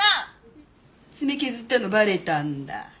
爪削ったのバレたんだ？